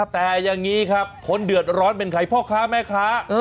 แต่อย่างนี้ครับคนเดือดร้อนเป็นใครพ่อค้าแม่ค้า